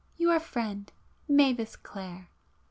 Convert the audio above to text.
Your friend Mavis Clare.